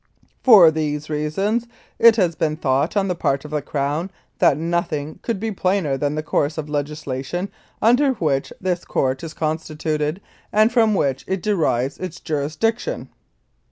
... For these reasons it has been thought on the part of the Crown that nothing could be plainer than the course of legislation under which this Court is constituted, and from which it derives its juris diction.